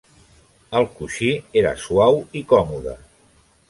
El coixí era suau i còmode.